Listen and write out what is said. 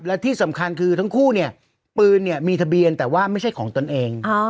และที่สำคัญคือทั้งคู่เนี่ยปืนเนี่ยมีทะเบียนแต่ว่าไม่ใช่ของตนเอง